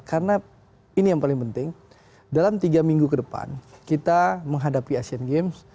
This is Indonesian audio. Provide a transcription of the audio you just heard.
karena ini yang paling penting dalam tiga minggu ke depan kita menghadapi asian game